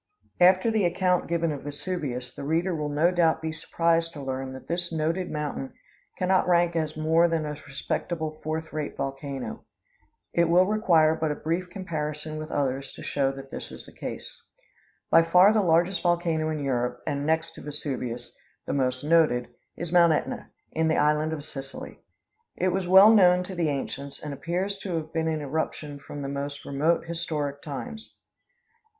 After the account given of Vesuvius, the reader will no doubt be surprised to learn that this noted mountain can not rank as more than a respectable fourth rate volcano. It will require but a brief comparison with others to show that such is the case. By far the largest volcano in Europe, and next to Vesuvius, the most noted, is Mt. Etna, in the island of Sicily. It was well known to the ancients, and appears to have been in eruption from the most remote historic times.